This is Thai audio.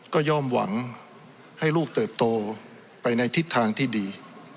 ก็ย่อมหวังให้ลูกเติบโตไปในทิศทางที่ดี